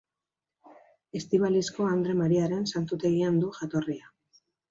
Estibalizko Andre Mariaren santutegian du jatorria.